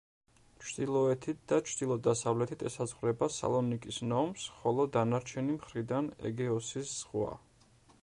ჩრდილოეთით და ჩრდილო-დასავლეთით ესაზღვრება სალონიკის ნომს, ხოლო დანარჩენი მხრიდან ეგეოსის ზღვა.